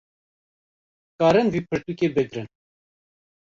karin vê pirtûkê bigrin